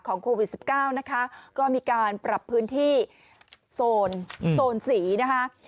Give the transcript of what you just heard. โควิด๑๙นะคะก็มีการปรับพื้นที่โซนโซนสีนะคะ